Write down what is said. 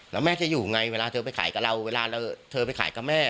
แล้วแม่จะอยู่ไงเวลาเธอไปขายกับเราเวลาเธอไปขายกับแม่